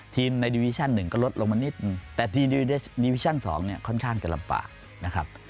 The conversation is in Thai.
ทีมในดีวิชั่น๑ก็ลดลงมานิดแต่ทีมในดีวิชั่น๒ค่อนข้างก็ลำปากนะครับ